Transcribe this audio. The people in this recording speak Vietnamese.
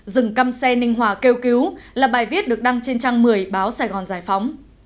dừng căm xe ninh hòa kêu cứu là bài viết được đăng trên trang một mươi báo sài gòn giải phóng